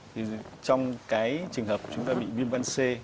thì trong cái trường hợp chúng ta bị viêm gan c